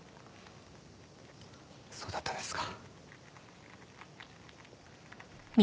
そうだったんですか。